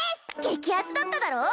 激アツだっただろう？